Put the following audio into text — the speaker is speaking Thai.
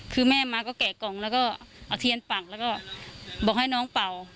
คือแม่มาก็แกะกล่องแล้วก็เอาเทียนปั่นแล้วก็บอกให้น้องเป่า